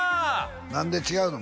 何で違うの？